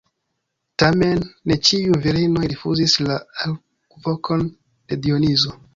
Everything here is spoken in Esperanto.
Tamen, ne ĉiuj virinoj rifuzis la alvokon de Dionizo.